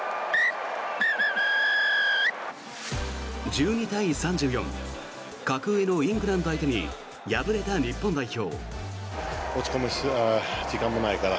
１２対３４格上のイングランド相手に敗れた日本代表。